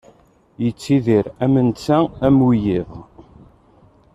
Yettidir am netta am wiyiḍ.